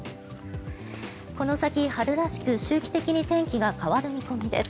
この先、春らしく周期的に天気が変わる見込みです。